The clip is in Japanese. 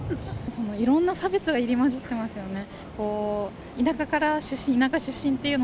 いろんな差別が入り交じってますよね。